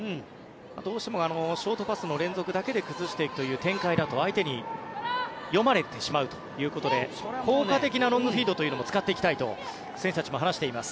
どうしても連続パスだけで崩していくという展開だと相手に読まれてしまうということで効果的なロングフィードというのも使っていきたいと選手たちも話しています。